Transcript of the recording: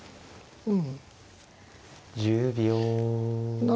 うん。